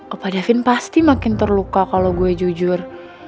opa davin pasti makin terluka kalau gue jujur